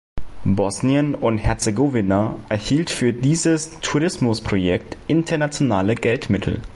Bosnien und Herzegowina erhielt für dieses Tourismusprojekt internationale Geldmittel.